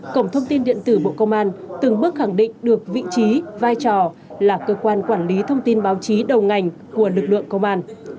cổng thông tin điện tử bộ công an từng bước khẳng định được vị trí vai trò là cơ quan quản lý thông tin báo chí đầu ngành của lực lượng công an